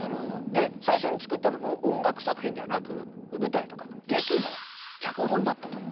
で最初に作ったのも音楽作品ではなく舞台とかの劇の脚本だったと。